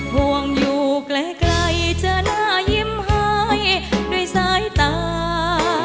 ห่วงอยู่ไกลจะหน้ายิ้มให้ด้วยสายตา